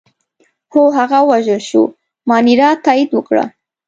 هو، هغه ووژل شو، مانیرا تایید وکړه.